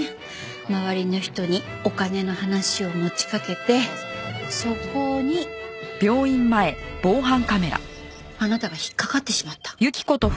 周りの人にお金の話を持ちかけてそこにあなたが引っかかってしまった。